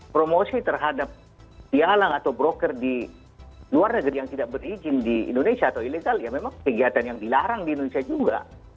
promosi terhadap dia halang atau broker di luar negeri yang tidak berizin di indonesia atau ilegal ya memang kegiatan yang dilarang di indonesia juga